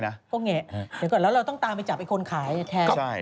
ก็แงะเดี๋ยวก่อนแล้วเราต้องตามไปจับไอ้คนขายแทน